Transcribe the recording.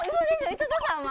井戸田さんは？